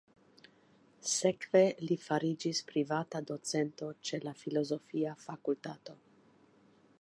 Sekve li fariĝis privata docento ĉe la filozofia fakultato.